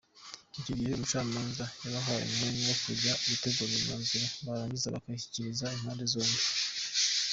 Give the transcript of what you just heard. Icyo gihe umucamanza yabahaye umwanya wo kujya gutegura imyanzuro barangiza bakayishyikiriza impande zombi.